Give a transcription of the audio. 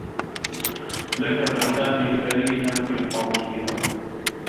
لكم سامي فريدا في قضيبه.